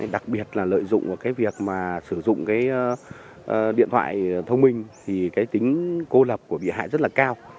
đặc biệt là lợi dụng vào cái việc mà sử dụng cái điện thoại thông minh thì cái tính cô lập của bị hại rất là cao